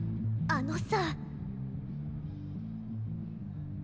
あのさ。